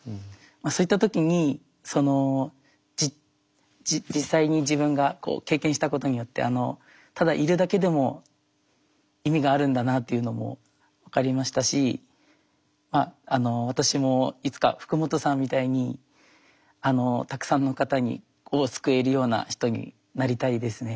そういった時に実際に自分が経験したことによってただいるだけでも意味があるんだなっていうのも分かりましたし私もいつか福本さんみたいにたくさんの方を救えるような人になりたいですね。